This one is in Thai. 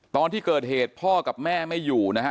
ตอนที่เกิดเหตุพ่อกับแม่ไม่อยู่นะฮะ